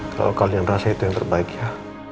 kalau kalian rasa itu yang terbaik ya